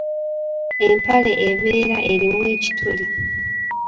Empale ebeera erimu ekituli.